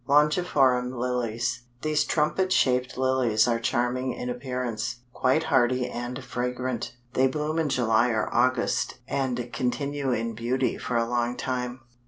LONGIFLORUM LILIES. These trumpet shaped Lilies are charming in appearance, quite hardy and fragrant. They bloom in July or August, and continue in beauty for a long time.